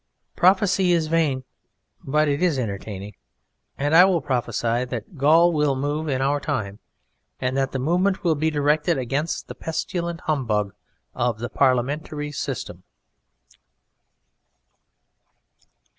Prophecy is vain, but it is entertaining, and I will prophesy that Gaul will move in our time, and that the movement will be directed against the pestilent humbug of the parliamentary system.